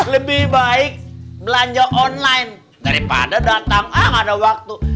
lebih baik belanja online daripada datang ah gak ada waktu